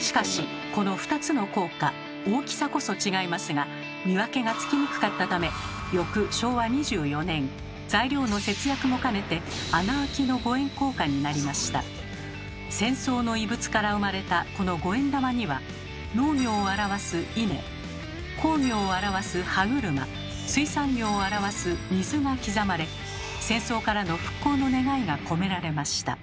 しかしこの２つの硬貨大きさこそ違いますが見分けがつきにくかったため翌昭和２４年材料の節約も兼ねて戦争の遺物から生まれたこの五円玉には農業を表す「稲」工業を表す「歯車」水産業を表す「水」が刻まれ戦争からの復興の願いが込められました。